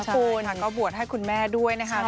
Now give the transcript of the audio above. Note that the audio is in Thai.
ใช่ครับก็บวชให้คุณแม่ด้วยนะครับ